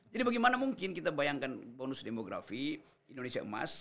jadi bagaimana mungkin kita bayangkan bonus demografi indonesia emas